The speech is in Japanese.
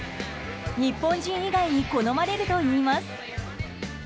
日本人以外に好まれるといいます。